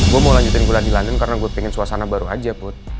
gue mau lanjutin gula di london karena gue pengen suasana baru aja put